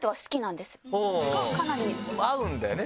合うんだよね